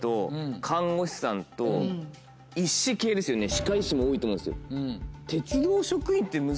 歯科医師も多いと思うんですよ。